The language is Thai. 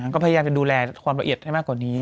ก็พยายามจะดูแลความละเอียดให้มากกว่านี้